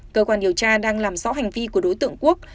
cơ quan điều tra đang làm rõ hành vi của đối tượng quốc